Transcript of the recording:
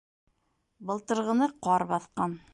Былтырғыны ҡар баҫҡан.